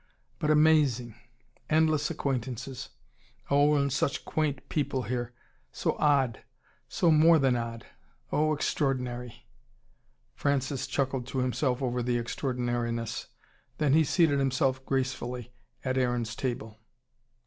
But amazing! Endless acquaintances! Oh, and such quaint people here! so ODD! So MORE than odd! Oh, extraordinary !" Francis chuckled to himself over the extraordinariness. Then he seated himself gracefully at Aaron's table.